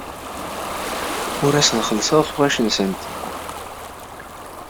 Ur asent-kellseɣ tuɣac-nsent.